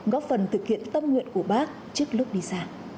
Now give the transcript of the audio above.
góp phần thực hiện tâm nguyện của bác trước lúc đi xa